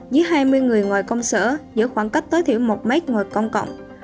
dưới hai mươi người ngoài công sở giữ khoảng cách tối thiểu một mét ngoài công cộng